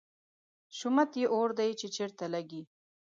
شومت یې اور دی، چې چېرته لګي